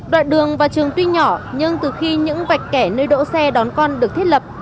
đoạn đường và trường tuy nhỏ nhưng từ khi những vạch kẻ nơi đỗ xe đón con được thiết lập